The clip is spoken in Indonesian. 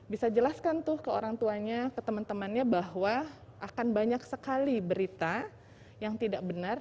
bisa jelaskan tuh ke orang tuanya ke teman temannya bahwa akan banyak sekali berita yang tidak benar